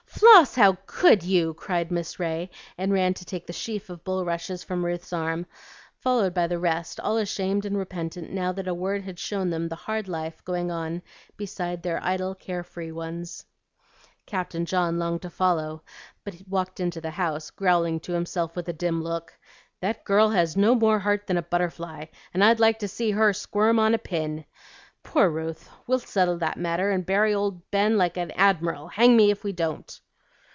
"Floss, how could you!" cried Miss Ray, and ran to take the sheaf of bulrushes from Ruth's arms, followed by the rest, all ashamed and repentant now that a word had shown them the hard life going on beside their idle, care free ones. Captain John longed to follow, but walked into the house, growling to himself with a grim look, "That girl has no more heart than a butterfly, and I'd like to see her squirm on a pin! Poor Ruth! we'll settle that matter, and bury old Ben like an admiral, hang me if we don't!"